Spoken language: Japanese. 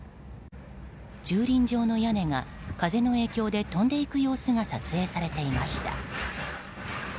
駐輪場の屋根が風の影響で飛んでいく様子が撮影されていました。